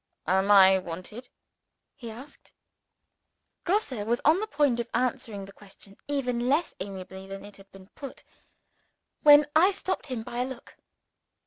"Am I wanted here?" he asked. Grosse was on the point of answering the question even less amiably than it had been put when I stopped him by a look.